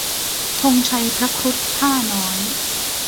ธงชัยพระครุฑพ่าห์น้อย